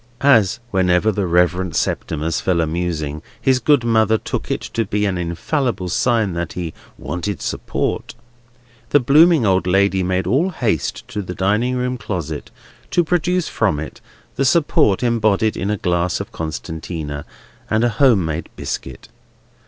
As, whenever the Reverend Septimus fell a musing, his good mother took it to be an infallible sign that he "wanted support," the blooming old lady made all haste to the dining room closet, to produce from it the support embodied in a glass of Constantia and a home made biscuit.